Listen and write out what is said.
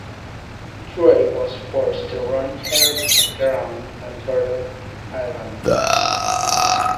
Drake was forced to run her aground on Turtle Island.